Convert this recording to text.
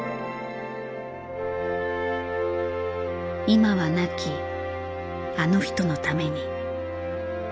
今は亡きあの人のために。